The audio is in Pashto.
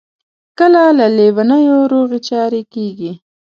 کله له لېونیو روغې چارې کیږي.